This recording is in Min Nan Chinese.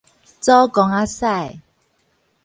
祖公仔屎